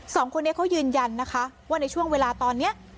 สองคนนี้เขายืนยันนะคะว่าในช่วงเวลาตอนนี้